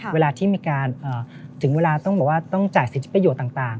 เวลาที่มีการถึงเวลาต้องจ่ายสิทธิประโยชน์ต่าง